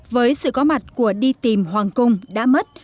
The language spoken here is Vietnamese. với sự có mặt của đi tìm hoàng cung đã mất